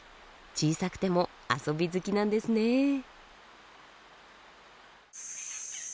小さくても遊び好きなんですねえ。